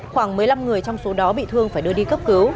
khoảng một mươi năm người trong số đó bị thương phải đưa đi cấp cứu